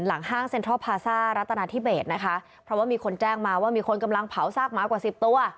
ห้างเซ็นทรัลพาซ่ารัตนาธิเบสนะคะเพราะว่ามีคนแจ้งมาว่ามีคนกำลังเผาซากหมากว่าสิบตัว